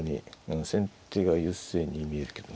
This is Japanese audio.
先手が優勢に見えるけどね。